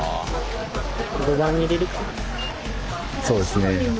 そうですね。